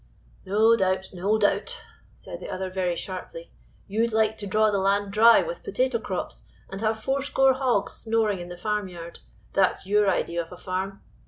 "No doubt, no doubt!" said the other, very sharply, "you'd like to draw the land dry with potato crops, and have fourscore hogs snoring in the farmyard; that's your idea of a farm.